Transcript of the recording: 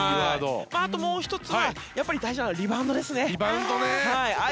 あともう１つは大事なのはリバウンドですね。